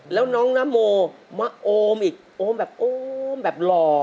แล้วน้องนโมมาโอมอีกโอมแบบโอมแบบหล่อ